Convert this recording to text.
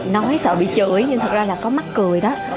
nói sợ bị chửi nhưng thật ra là có mắt cười đó